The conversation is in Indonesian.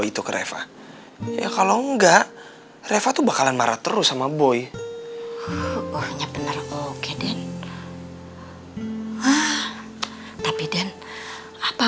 itu ke reva ya kalau enggak reva tuh bakalan marah terus sama boy oke deh ah tapi dan apa